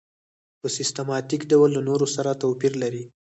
په سیستماتیک ډول له نورو سره توپیر لري.